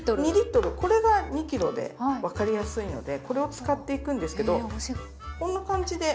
これが２ｋｇで分かりやすいのでこれを使っていくんですけどこんな感じで。